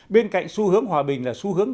bên cạnh xu hướng hòa bình là xu hướng